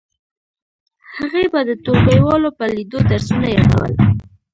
هغې به د ټولګیوالو په لیدو درسونه یادول